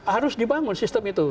harus dibangun sistem itu